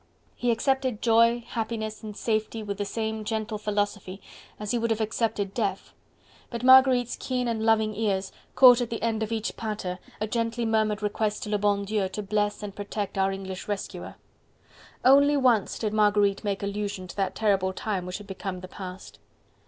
He accepted joy, happiness and safety with the same gentle philosophy as he would have accepted death, but Marguerite's keen and loving ears caught at the end of each "Pater" a gently murmured request to le bon Dieu to bless and protect our English rescuer. Only once did Marguerite make allusion to that terrible time which had become the past.